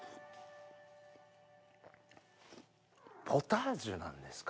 ポタージュなんですか？